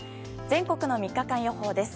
全国の３日間予報です。